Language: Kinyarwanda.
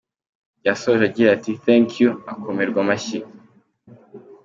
Yasoje, agira ati 'Thank you' akomerwa amashyi.